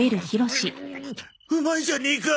うまいじゃねえか！